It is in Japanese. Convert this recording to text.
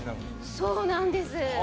宮村：そうなんです。